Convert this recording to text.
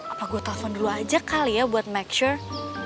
apa gue telpon dulu aja kali ya buat make sure